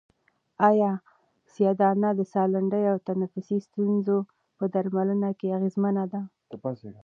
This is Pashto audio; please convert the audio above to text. آیا سیاه دانه د سالنډۍ او تنفسي ستونزو په درملنه کې اغېزمنه ده؟